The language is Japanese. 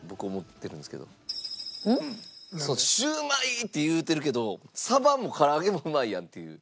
シウマイって言うてるけど鯖も唐揚げもうまいやんっていう。